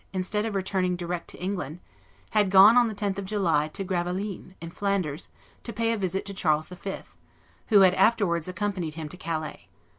instead of returning direct to England, had gone, on the 10th of July, to Gravelines, in Flanders, to pay a visit to Charles V., who had afterwards accompanied him to Calais.